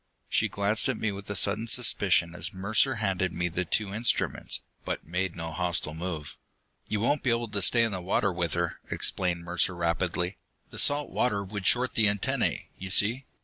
She glanced at me with sudden suspicion as Mercer handed me the two instruments, but made no hostile move. "You won't be able to stay in the water with her," explained Mercer rapidly. "The salt water would short the antennae, you see.